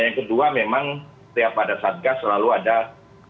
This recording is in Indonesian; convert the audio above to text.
yang kedua memang setiap pada satgas selalu ada satu mekanisme yang biasanya tidak